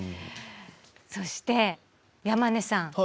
そして山根さん。